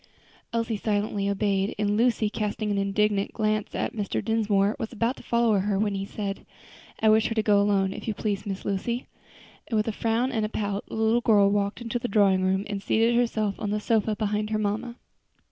Elsie silently obeyed, and Lucy, casting an indignant glance at Mr. Dinsmore, was about to follow her, when he said, "I wish her to go alone, if you please, Miss Lucy;" and with a frown and a pout the little girl walked into the drawing room and seated herself on the sofa beside her mamma.